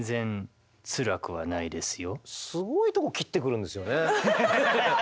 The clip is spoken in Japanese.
すごいとこ切ってくるんですよね。